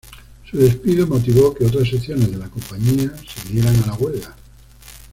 Su despido motivó que otras secciones de la compañía se unieran a la huelga.